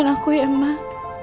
kalau aku tuh gak marah sama mama